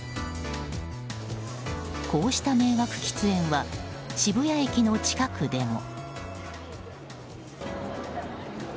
こうした迷惑喫煙は渋谷駅の近くでも。